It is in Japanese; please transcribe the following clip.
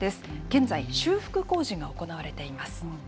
現在、修復工事が行われています。